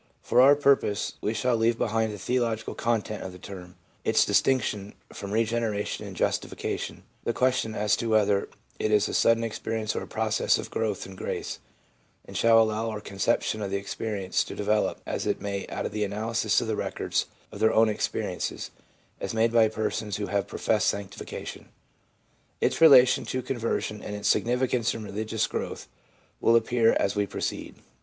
For our purpose we shall leave behind the theo logical content of the term, its distinction from regenera tion and justification, the question as to whether it is a sudden experience or a process of f growth in grace, 5 and shall allow our conception of the experience to develop as it may out of the analysis of the records of their own experiences, as made by persons who have professed sanctification. Its relation to conversion and its significance in religious growth will appear as we proceed.